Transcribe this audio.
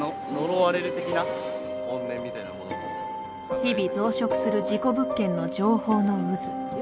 日々増殖する事故物件の情報の渦。